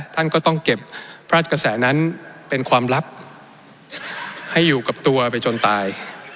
ท่านก็ต้องเก็บพระราชกระแสนั้นเป็นความลับให้อยู่กับตัวไปจนตาย